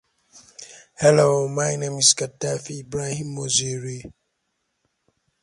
Note: The Scottish National Party and Plaid Cymru sit together as a party group.